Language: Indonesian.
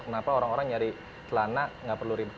kenapa orang orang nyari celana gak perlu rindukan